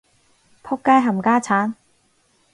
僕街冚家鏟